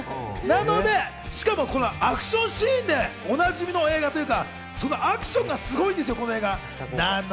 なので、しかもアクションシーンでおなじみの映画というか、そのアクションがすごいんですよ、この映画。